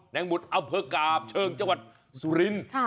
แน่งหมุดอัปเปอร์การกรรมเชิงจังหวัดสุรินทร์